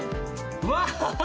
うわ！